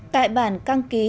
tại bản căng ký